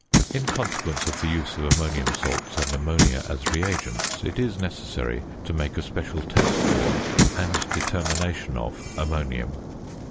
In consequence of the use of ammonium salts and ammonia as reagents, it is necessary to make a special test for and determination of ammonium.